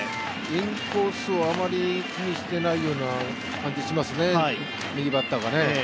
インコースをあまり危惧していないような気がしますよね、右バッターがね。